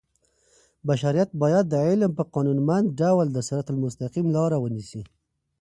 بشریت باید د علم په قانونمند ډول د صراط المستقیم لار ونیسي.